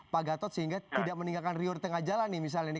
pak gatot sehingga tidak meninggalkan rio di tengah jalan nih misalnya ini